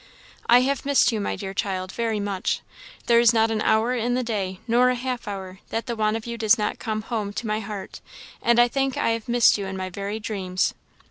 "I have missed you, my dear child, very much. There is not an hour in the day, nor a half hour, that the want of you does not come home to my heart; and I think I have missed you in my very dreams.